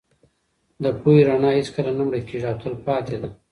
د پوهې رڼا هېڅکله نه مړکېږي او تل پاتې ده.